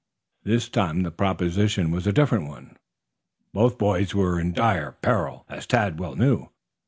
This time the proposition was a different one. Both boys were in dire peril, as Tad well knew.